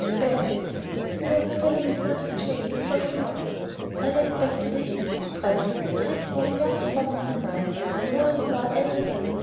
"Bad business. The old fellow will go to jail, for sure!" I went back to the inn, depressed. I had grown very fond of my master, more and more every day.